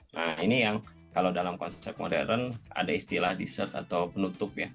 nah ini yang kalau dalam konsep modern ada istilah dessert atau penutup ya